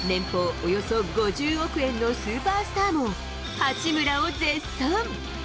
およそ５０億円のスーパースターも、八村を絶賛。